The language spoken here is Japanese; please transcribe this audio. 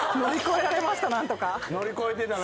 乗り越えてたね。